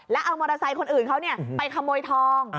แล้วเอามอเตอร์ไซค์คนอื่นเขาไปขโมยทอง